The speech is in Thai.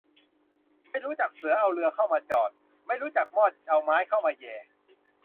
ไม่รู้จักเสือเอาเรือเข้ามาจอด ไม่รู้จักมอดเอาไม้เข้ามาแหย่